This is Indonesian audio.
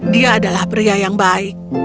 dia adalah pria yang baik